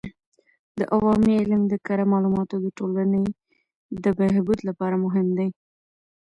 د عوامي علم د کره معلوماتو د ټولنې د بهبود لپاره مهم دی.